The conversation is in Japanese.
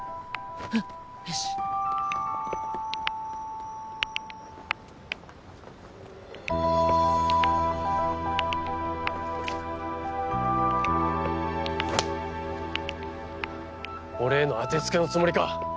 うんよし俺への当てつけのつもりか？